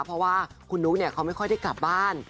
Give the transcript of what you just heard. เพราะว่าคุณนุ๊กเขาไม่ค่อยได้กลับบ้าน